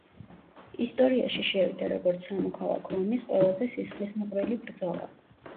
ისტორიაში შევიდა როგორც სამოქალაქო ომის ყველაზე სისხლისმღვრელი ბრძოლა.